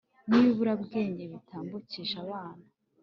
n'ibiburabwenge bitambukije abana